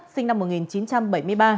sinh năm một nghìn chín trăm bảy mươi ba